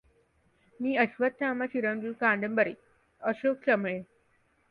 मी अश्वत्थामा चिरंजीव कादंबरी, अशोक समेळ